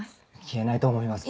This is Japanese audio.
消えないと思います。